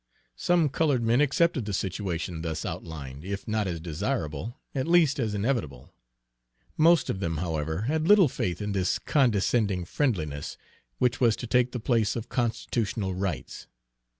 Some colored men accepted the situation thus outlined, if not as desirable, at least as inevitable. Most of them, however, had little faith in this condescending friendliness which was to take the place of constitutional rights.